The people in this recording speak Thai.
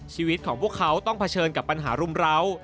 ชีวิตของพวกเขาต้องเผชิญกับปัญหารุมร้าว